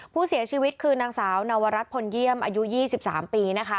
ผู้เสียชีวิตคือนางสาวนวรัฐพลเยี่ยมอายุ๒๓ปีนะคะ